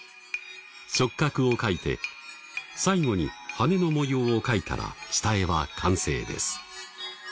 触角を描いて最後に羽の模様を描いたら下絵は完成です。